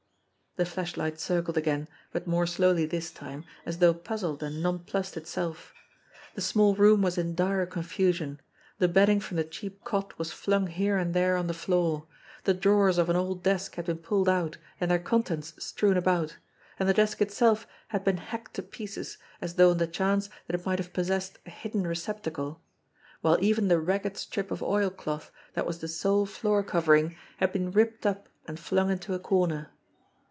The flashlight circled again, but more slowly this time, as though puzzled and nonplussed itself. The small room was in dire confusion. The bedding from the cheap cot was flung here and there on the floor ; the drawers of an old desk had been pulled out and their contents strewn about, and the desk itself had been hacked to pieces as though on the chance that it might have possessed a hidden receptacle ; while even the ragged strip of oilcloth, that was the sole floor 114 f THE PANELLED WALL 115 covering, had been ripped up and flung into a corner.